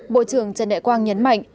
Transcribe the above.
bộ trưởng trần đại quang nhấn mạnh